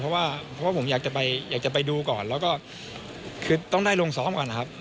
เพราะว่าผมอยากจะไปดูก่อนแล้วก็คือต้องได้ลงซ้อมก่อนนะครับ